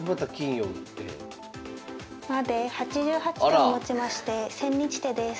８８手をもちまして千日手です。